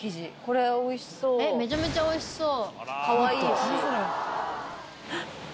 めちゃめちゃおいしそう。